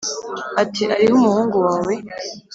ati arihe umuhungu wawe.